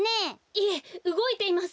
いえうごいています。